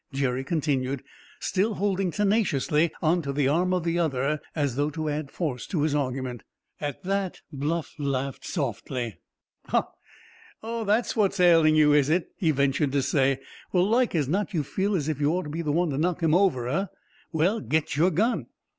Jerry continued, still holding tenaciously on to the arm of the other, as though to add force to his argument. At that Bluff laughed softly. "Oh, that's what's ailing you, is it?" he ventured to say. "Like as not you feel as if you ought to be the one to knock him over, eh? Well, get your gun!"